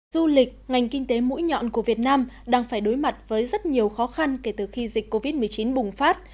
du lịch ngành kinh tế mũi nhọn của việt nam đang phải đối mặt với rất nhiều khó khăn kể từ khi dịch covid một mươi chín bùng phát